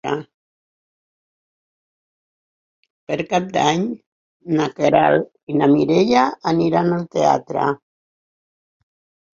Per Cap d'Any na Queralt i na Mireia aniran al teatre.